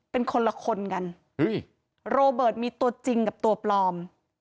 เป็นคนละคนกันโรเบิร์ตมีตัวจริงกับตัวปลอม